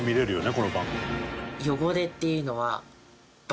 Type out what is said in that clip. この番組」